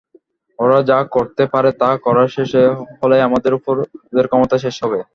ওরা যা করতে পারে তা করা শেষ হলেই আমার উপর ওদের ক্ষমতাও শেষ হবে।